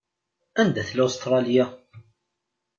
Anda tella Ustṛalya?